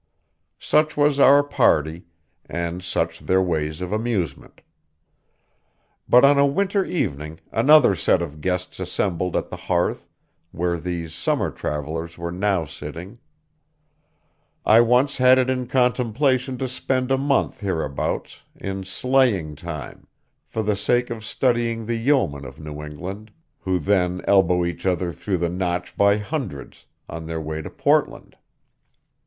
Such was our party, and such their ways of amusement. But on a winter evening another set of guests assembled at the hearth where these summer travellers were now sitting. I once had it in contemplation to spend a month hereabouts, in sleighing time, for the sake of studying the yeomen of New England, who then elbow each other through the Notch by hundreds, on their way to Portland.